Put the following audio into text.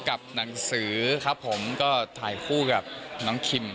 กับหนังสือครับผมก็ถ่ายคู่กับน้องคิม